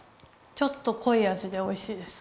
ちょっとこい味でおいしいです。